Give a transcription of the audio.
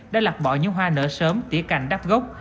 đã lặt bỏ những hoa nở sớm tỉa cành đắp gốc